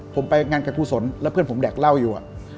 ผมไปงานกับกุศลแล้วเพื่อนผมแดกเหล้าอยู่